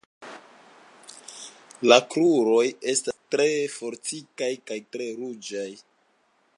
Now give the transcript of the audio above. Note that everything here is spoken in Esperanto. La kruroj estas tre fortikaj kaj tre ruĝaj.